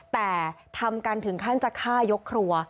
แต่ทำกันถึงขั้นจะฆ่ายกครัว